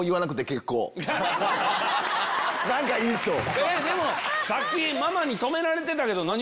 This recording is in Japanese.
何か言いそう！